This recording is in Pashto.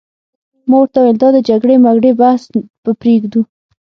ما ورته وویل: دا د جګړې مګړې بحث به پرېږدو.